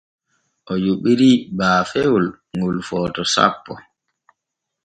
O yoɓiri baafewol ŋol Forto sappo.